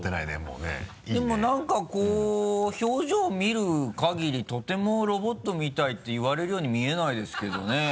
でもなんかこう表情見るかぎりとてもロボットみたいって言われるようには見えないですけどね。